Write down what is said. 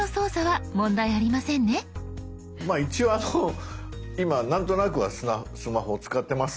まあ一応あの今なんとなくはスマホを使ってますので。